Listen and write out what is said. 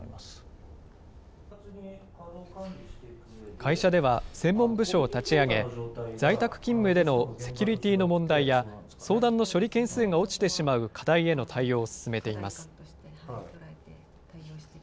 会社では、専門部署を立ち上げ、在宅勤務でのセキュリティーの問題や、相談の処理件数が落ちてしまう課題への対応を進めています。